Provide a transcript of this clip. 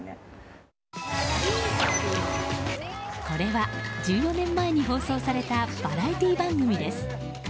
これは１４年前に放送されたバラエティー番組です。